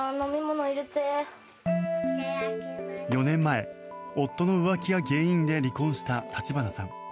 ４年前夫の浮気が原因で離婚した橘さん。